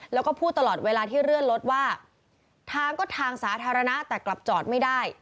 แล้วก็พูดตลอดเวลาที่เลื่อนรถว่าทางก็ทางสาธารณะแต่กลับจอดไม่ได้